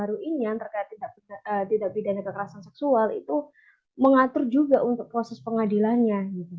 yang diundang undang yang terbaru ini yang terkait tindak pidana kekerasan seksual itu mengatur juga untuk proses pengadilannya